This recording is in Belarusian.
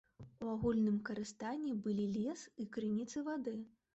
У агульным карыстанні былі лес і крыніцы вады.